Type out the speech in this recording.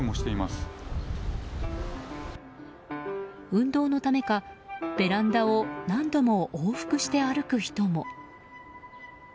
運動のためか、ベランダを何度も往復して歩く人も。